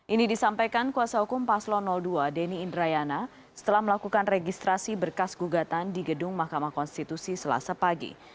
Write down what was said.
ini disampaikan kuasa hukum paslo dua denny indrayana setelah melakukan registrasi berkas gugatan di gedung mahkamah konstitusi selasa pagi